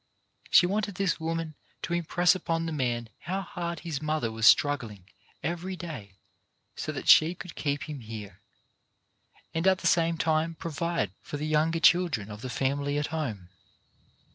She wanted this woman to impress upon the boy how hard his mother was struggling every day so that she could keep him here, and at the same time pro vide for the younger children of the family at home.